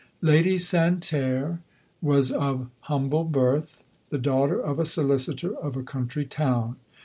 Lady Santerre was of humble birth, the daughter of a solicitor of a country town.